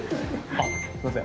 あっすいません。